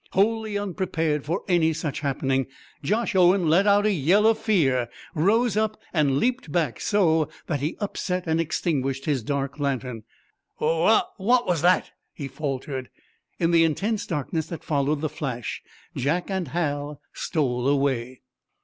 Wholly unprepared for any such happening, Josh Owen let out a yell of fear, rose up and leaped back so that he upset and extinguished his dark lantern. "Wha wha what was that?" he faltered. In the intense darkness that followed the flash Jack and Hal stole away.